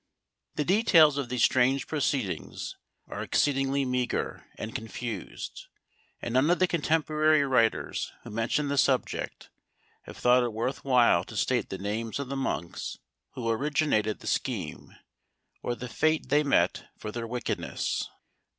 The details of these strange proceedings are exceedingly meagre and confused, and none of the contemporary writers who mention the subject have thought it worth while to state the names of the monks who originated the scheme, or the fate they met for their wickedness.